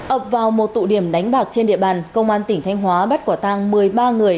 ập vào một tụ điểm đánh bạc trên địa bàn công an tỉnh thanh hóa bắt quả tang một mươi ba người